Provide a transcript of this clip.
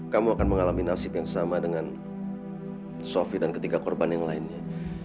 kamu akan mengalami nasib yang sama dengan sofi dan ketiga korban yang lainnya